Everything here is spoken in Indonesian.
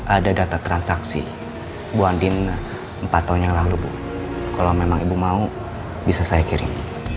ada data transaksi bu andin empat tahun yang lalu bu kalau memang ibu mau bisa saya kirim